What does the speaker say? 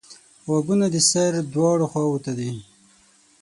غوږونه د سر دواړو خواوو ته دي